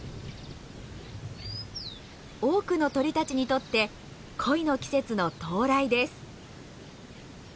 多くの鳥たちにとって恋の季節の到来です。